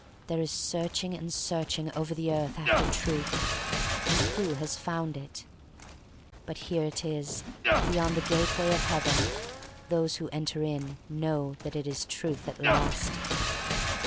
There is searching and searching over the earth after Truth — and who has found it? But here is it beyond the gateway of Heaven. Those who enter in know that it is Truth at last."